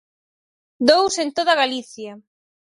Dous en toda Galicia.